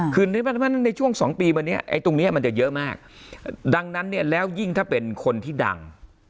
คือนึกว่าในช่วง๒ปีมาเนี่ยไอ้ตรงนี้มันจะเยอะมากดังนั้นเนี่ยแล้วยิ่งถ้าเป็นคนที่ดัง